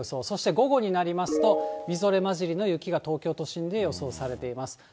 そして午後になりますと、みぞれまじりの雪が東京都心で予想されています。